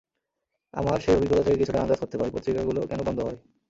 আমার সেই অভিজ্ঞতা থেকে কিছুটা আন্দাজ করতে পারি, পত্রিকাগুলো কেন বন্ধ হয়।